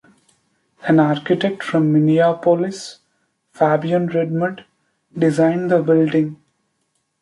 An architect from Minneapolis, Fabian Redmond, designed the building.